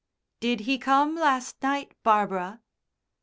"Did he come last night, Barbara?"